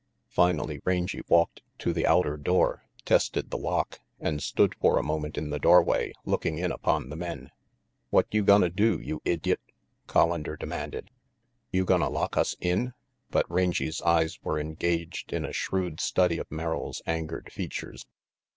Finally Rangy walked to the outer door, tested the lock, and stood for a moment in the doorway looking in upon the men. "What you gonna do, you idjiot?" Collander demanded. "You gonna lock us in?" But Rangy's eyes were engaged in a shrewd study of Merrill's angered features.